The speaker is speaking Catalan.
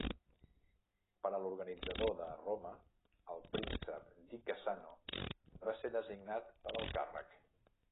Per a l'organitzador de Roma, el príncep Di Cassano va ser designat per al càrrec.